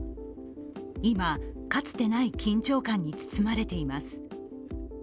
今、かつてない緊張感に包まれています。